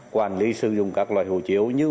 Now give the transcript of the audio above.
quản lý sử dụng các loại hồ chiếu như